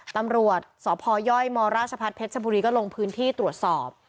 ตำรวจสพยมราชพัฒนเพชรชบุรีก็ลงพื้นที่ตรวจสอบ